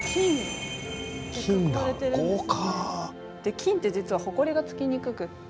金って実はホコリがつきにくくって。